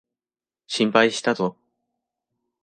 心配したぞ。